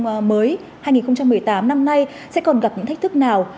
chương trình giáo dục phổ thông mới hai nghìn một mươi tám năm nay sẽ còn gặp những thách thức nào